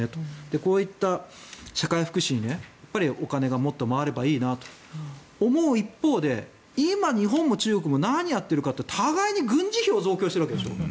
こういった社会福祉にお金がもっと回ればいいなと思う一方で今、日本も中国も何をやっているかというと互いに軍事費を増強しているわけでしょ。